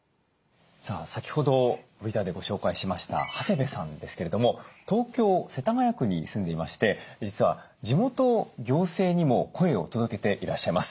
先ほどＶＴＲでご紹介しました長谷部さんですけれども東京・世田谷区に住んでいまして実は地元行政にも声を届けていらっしゃいます。